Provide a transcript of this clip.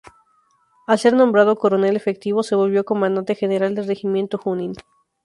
Al ser nombrado coronel efectivo, se volvió Comandante General del Regimiento Junín.